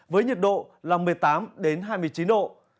với nhiệt độ là một mươi tám hai mươi chín độ